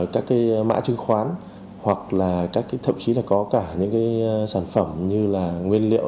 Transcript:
các cái mã chứng khoán hoặc là thậm chí là có cả những cái sản phẩm như là nguyên liệu